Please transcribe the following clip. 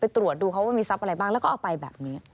ตรวจดูเขาว่ามีทรัพย์อะไรบ้างแล้วก็เอาไปแบบนี้